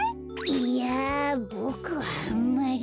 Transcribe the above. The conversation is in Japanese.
いやボクはあんまり。